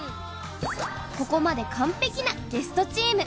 ここまで完璧なゲストチーム。